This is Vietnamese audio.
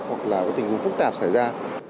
hoặc là tình huống phức tạp xảy ra